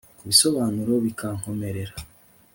kubisobanura bikankomerera